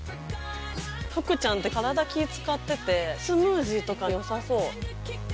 ふくちゃんって体気使っててスムージーとか良さそう。